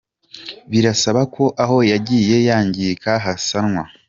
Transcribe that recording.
Birasaba ko aho yagiye yangirika hasanwa.